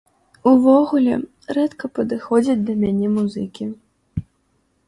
Увогуле, рэдка падыходзяць да мяне музыкі.